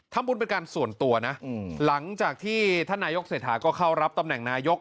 เป็นการส่วนตัวนะหลังจากที่ท่านนายกเศรษฐาก็เข้ารับตำแหน่งนายก